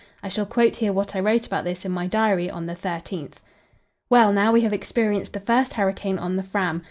I shall quote here what I wrote about this in my diary on the 13th: "Well, now we have experienced the first hurricane on the Fram.